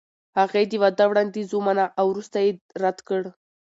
هغې د واده وړاندیز ومانه او وروسته یې رد کړ.